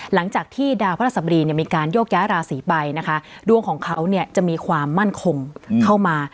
หลังจากที่ดาวพระสบรีมีการยกย้ายราศรีไปดวงของเขาจะมีความมั่นคงเข้ามา